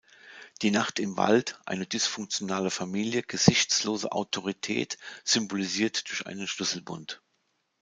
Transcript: Die Nacht im Wald, eine dysfunktionale Familie, gesichtslose Autorität, symbolisiert durch einen Schlüsselbund.